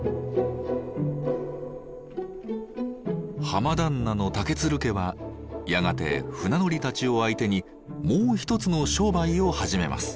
浜旦那の竹鶴家はやがて船乗りたちを相手にもう一つの商売を始めます。